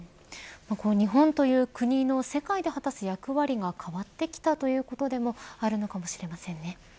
日本という国の世界で果たす役割が変わってきたということでもあるのかもしれませんね。